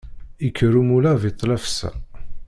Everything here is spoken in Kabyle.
Ikker umulab i tlafsa.